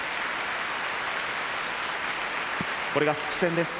これが復帰戦です。